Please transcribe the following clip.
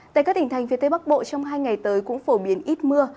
tại các tỉnh thành phía tây bắc bộ trong hai ngày tới cũng phổ biến ít mưa